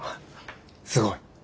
すごい。